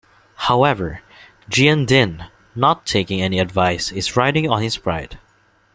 However, Gian Dinh, not taking any advice, is riding on his pride.